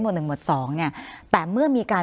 คุณลำซีมัน